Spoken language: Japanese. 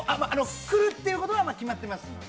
来るっていうことは決まってますので。